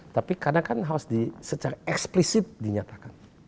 tapi kadang kadang harus secara eksplisit dinyatakan